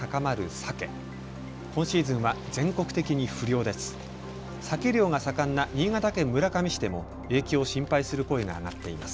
サケ漁が盛んな新潟県村上市でも影響を心配する声が上がっています。